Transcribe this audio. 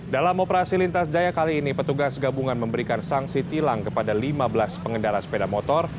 dalam operasi lintas jaya kali ini petugas gabungan memberikan sanksi tilang kepada lima belas pengendara sepeda motor